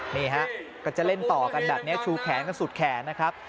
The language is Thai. นี่ฮะก็จะเล่นต่อกันแบบนี้ชูแขนกันสุดแขนนะครับ